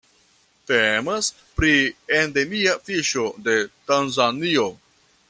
Temas pri endemia fiŝo de Tanzanio.